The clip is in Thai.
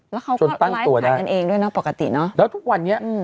แล้วเขาก็ไลฟ์ถ่ายกันเองด้วยนะปกติเนอะจนตั้งตัวได้แล้วทุกวันนี้